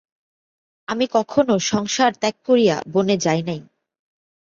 আমি কখনও সংসার ত্যাগ করিয়া বনে যাই নাই।